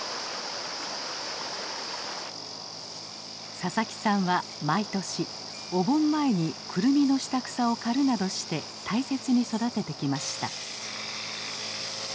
佐々木さんは毎年お盆前にクルミの下草を刈るなどして大切に育ててきました。